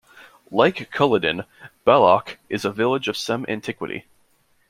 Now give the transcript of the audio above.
Like Culloden, Balloch is a village of some antiquity.